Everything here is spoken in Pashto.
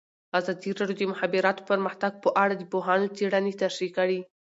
ازادي راډیو د د مخابراتو پرمختګ په اړه د پوهانو څېړنې تشریح کړې.